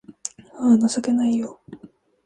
あぁ、情けないよ